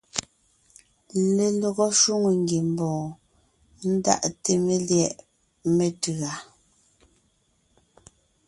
Lelɔgɔ shwòŋo ngiembɔɔn ndaʼte melyɛ̌ʼɛ metʉ̌a.